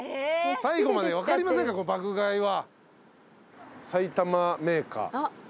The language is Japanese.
最後まで分かりませんから『爆買い』は。